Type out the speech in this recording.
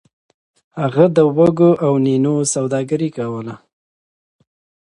هغه د وږو او نینو سوداګري کوله.